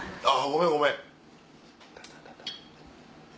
あ！